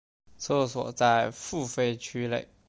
厕所在付费区内。